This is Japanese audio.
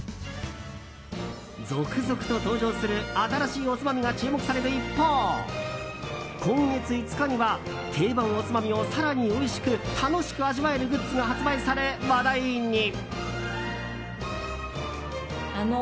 続々と登場する新しいおつまみが注目される一方今月５日には定番おつまみを更においしく楽しく味わえるグッズが発売され話題に。